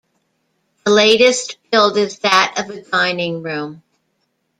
The latest build is that of a dining room.